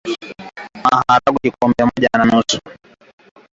Maharage Kikombe moja yanatosha